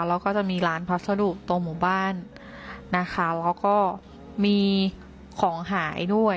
แล้วก็จะมีร้านพัสดุตรงหมู่บ้านนะคะแล้วก็มีของหายด้วย